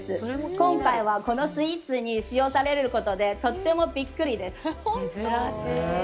今回はこのスイーツに使用されることで、とってもびっくりです。